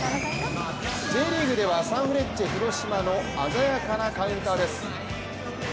Ｊリーグではサンフレッチェ広島の鮮やかなカウンターです。